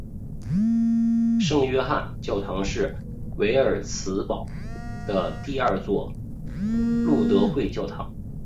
圣约翰教堂是维尔茨堡的第二座路德会教堂。